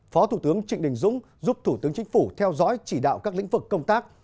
phó thủ tướng trịnh đình dũng giúp thủ tướng chính phủ theo dõi chỉ đạo các lĩnh vực công tác